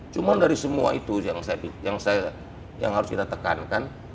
cuma dari semua itu yang harus kita tekankan